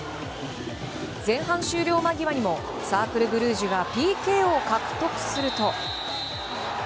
前半終了間際にもサークルブルージュがＰＫを獲得すると。